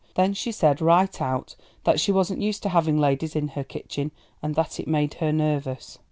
Then she said right out that she wasn't used to having ladies in her kitchen, and that it made her nervous."